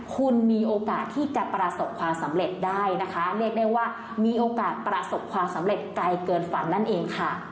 คุณมีโอกาสที่จะประสบความสำเร็จได้นะคะเรียกได้ว่ามีโอกาสประสบความสำเร็จไกลเกินฝันนั่นเองค่ะ